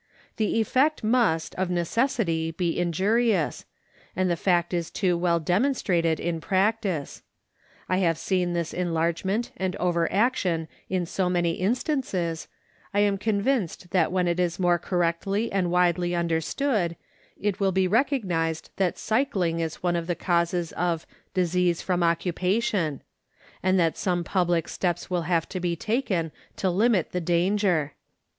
The effect must, of neces sity, be injurious, and the fact is too well demonstrated in prac tice. I have seen this enlargement and over action in so many instances I am convinced that when it is more correctly and widely understood it will be recognized that cycling is one of the causes of " disease from occupation," and that some public steps will have to be taken to limit the danger.